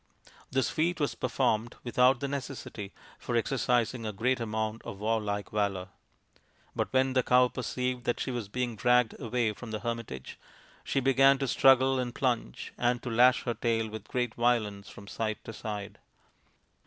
This feat was performed without the necessity for exercising a great amount of warlike valour. But when the cow perceived that she was being dragged away from the hermitage she began to struggle and plunge, and to lash her tail with great violence from side to side.